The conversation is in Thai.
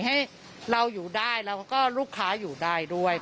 ให้เราอยู่ได้แล้วก็ลูกค้าอยู่ได้ด้วย